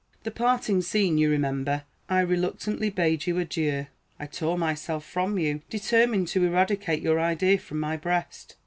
The parting scene you remember. I reluctantly bade you adieu. I tore myself from you, determined to eradicate your idea from my breast.